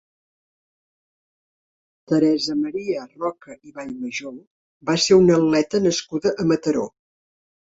Teresa Maria Roca i Vallmajor va ser una atleta nascuda a Mataró.